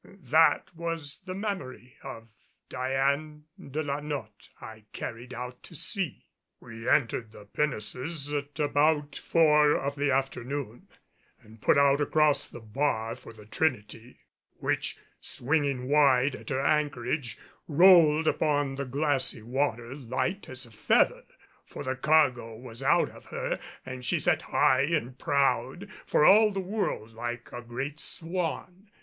That was the memory of Diane de la Notte I carried out to sea. We entered pinnaces at about four of the afternoon and put out across the bar for the Trinity, which, swinging wide at her anchorage, rolled upon the glassy water, light as a feather. For the cargo was out of her and she sat high and proud, for all the world like a great swan.